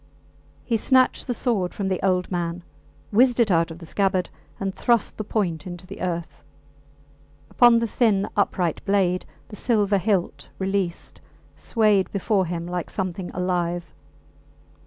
He snatched the sword from the old man, whizzed it out of the scabbard, and thrust the point into the earth. Upon the thin, upright blade the silver hilt, released, swayed before him like something alive.